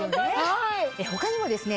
他にもですね